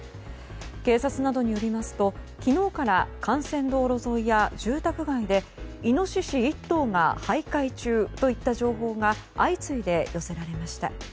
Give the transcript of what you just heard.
警察などによりますと昨日から幹線道路沿いや住宅街でイノシシ１頭が徘徊中といった情報が相次いで寄せられました。